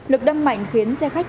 lực đâm mạnh khiến xe khách